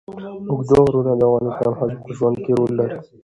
اوږده غرونه د افغان ښځو په ژوند کې رول لري.